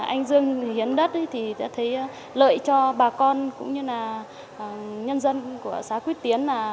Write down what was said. anh dương hiến đất thì đã thấy lợi cho bà con cũng như là nhân dân của xã quyết tiến